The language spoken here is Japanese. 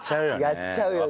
やっちゃうよね。